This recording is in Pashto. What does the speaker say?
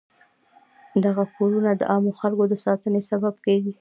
دغه کودونه د عامو خلکو د ساتنې سبب کیږي.